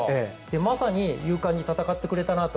まさに勇敢に戦ってくれたなと。